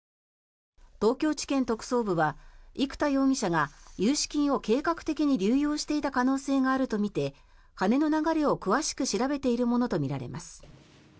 東京地検特捜部は生田容疑者が融資金を計画的に流用していた可能性があるとみて金の流れを詳しく調べているものとみられます。